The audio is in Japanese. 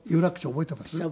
覚えてますよ。